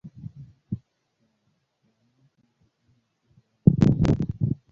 kwa haraka iwezekanavyo nchini Mali Burkina Faso na Guinea